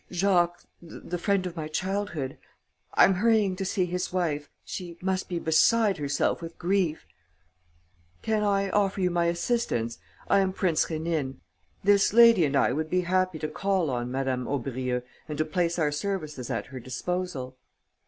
"Jacques, the friend of my childhood. I'm hurrying to see his wife. She must be beside herself with grief." "Can I offer you my assistance? I am Prince Rénine. This lady and I would be happy to call on Madame Aubrieux and to place our services at her disposal."